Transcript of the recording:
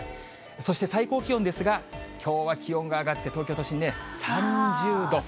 そして、最高気温ですが、きょうは気温が上がって、東京都心で３０度。